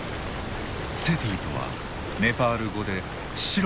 セティとはネパール語で白の意味。